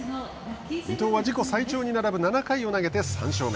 伊藤は自己最長に並ぶ７回を投げて３勝目。